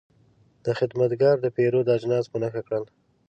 دا خدمتګر د پیرود اجناس په نښه کړل.